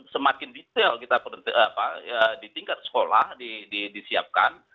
semakin detail kita di tingkat sekolah disiapkan